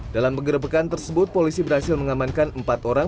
dalam penggerebekan tersebut polisi berhasil mengamankan empat orang